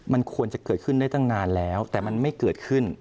มันควรจะเกิดขึ้นได้ตั้งนานแล้วแต่มันไม่เกิดขึ้น